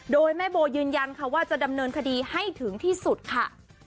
โดยแม่โบยืนยันค่ะว่าจะดำเนินคดีให้ถึงที่สุดค่ะ